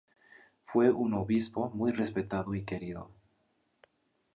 Fue un obispo muy respetado y querido.